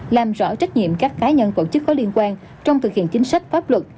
làm rõ trách nhiệm các cá nhân tổ chức có liên quan trong thực hiện chính sách pháp luật